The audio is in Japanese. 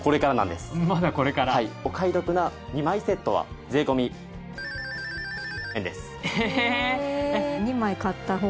お買い得な２枚セットは税込円です。ええ？